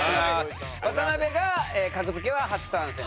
渡辺が格付けは初参戦。